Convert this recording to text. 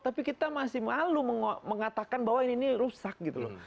tapi kita masih malu mengatakan bahwa ini rusak gitu loh